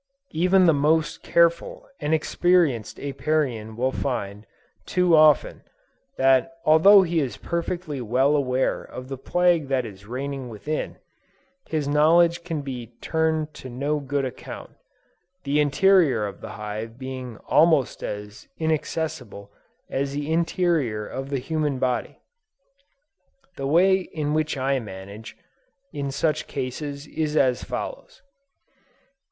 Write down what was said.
Even the most careful and experienced Apiarian will find, too often, that although he is perfectly well aware of the plague that is reigning within, his knowledge can be turned to no good account, the interior of the hive being almost as inaccessible as the interior of the human body. The way in which I manage, in such cases, is as follows.